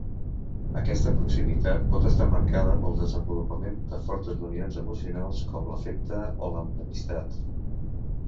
Aquesta proximitat pot estar marcada pel desenvolupament de fortes unions emocionals com l'afecte o l'enemistat.